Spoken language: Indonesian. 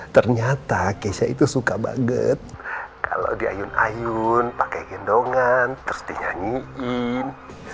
ternyata keisha itu suka banget kalau diayun ayun pakai gendongan terus dinyanyiin